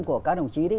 của các đồng chí đi